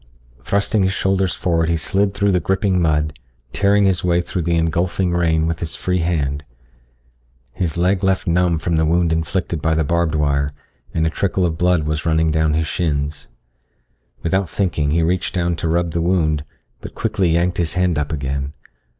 Thrusting his shoulders forward he slid through the gripping mud, tearing his way through the engulfing rain with his free hand. His leg left numb from the wound inflicted by the barbed wire, and a trickle of blood was running down his shins. Without thinking he reached down to rub the wound, but quickly yanked his hand up again.